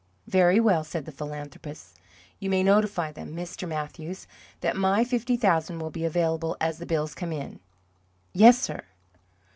"Very well," said the philanthropist. "You may notify them, Mr. Mathews, that my fifty thousand will be available as the bills come in." "Yes, sir."